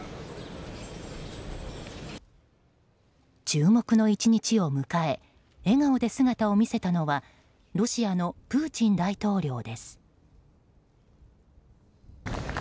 注目の１日を迎え笑顔で姿を見せたのはロシアのプーチン大統領です。